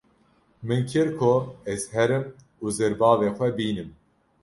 Min kir ko ez herim û zirbavê xwe bînim.